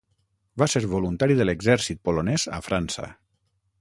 Va ser voluntari de l'exèrcit polonès a França.